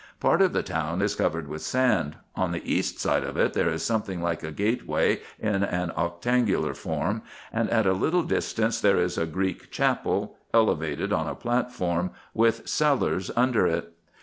Part of the town is covered with sand. On the east side IN EGYPT, NUBIA, &c 383 of it there is something like a gateway, in an octangular form, and at a little distance there is a Greek chapel, elevated on a platform, with cellars under it.